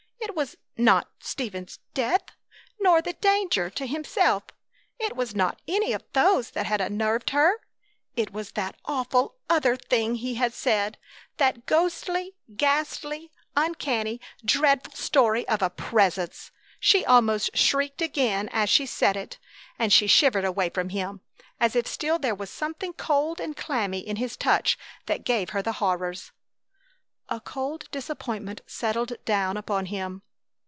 It was not Stephen's death, nor the danger to himself! It was not any of those that had unnerved her! It was that other awful thing he had said: that ghostly, ghastly, uncanny, dreadful story of a Presence! She almost shrieked again as she said it, and she shivered away from him, as if still there were something cold and clammy in his touch that gave her the horrors. A cold disappointment settled down upon him.